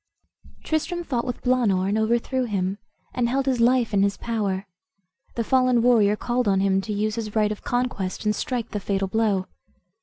Tristram fought with Blaanor, and overthrew him, and held his life in his power. The fallen warrior called on him to use his right of conquest, and strike the fatal blow.